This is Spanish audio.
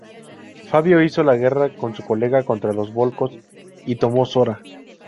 Fabio hizo la guerra con su colega contra los volscos y tomó Sora.